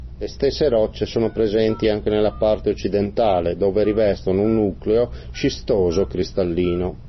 Le stesse rocce sono presenti anche nella parte occidentale, dove rivestono un nucleo scistoso-cristallino.